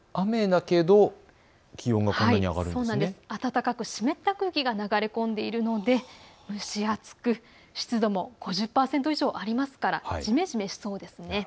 暖かく湿った空気が流れ込んでいるので蒸し暑く湿度も５０％以上ありますから、じめじめしそうですね。